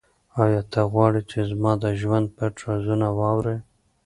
آیا ته غواړې چې زما د ژوند پټ رازونه واورې؟